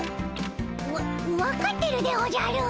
わ分かってるでおじゃる。